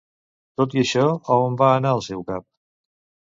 Tot i això, a on va anar el seu cap?